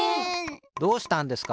どうしたんですか？